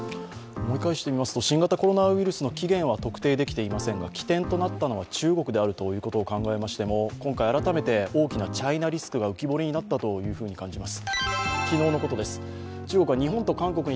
思い返してみますと、新型コロナウイルスの起源は特定できていませんが、起点となったのは中国であるということを考えましても今回改めて大きなチャイナリスクが浮き彫りになったと感じます。